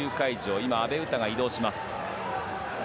今、阿部詩が移動します。